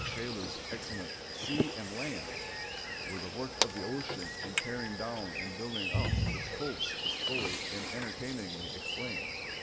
Shaler's excellent "Sea and Land," where the work of the ocean in tearing down and building up its coasts is fully and entertainingly explained.